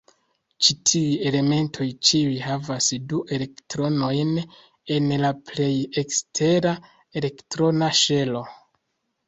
Ĉi-tiuj elementoj ĉiuj havas du elektronojn en la plej ekstera elektrona ŝelo.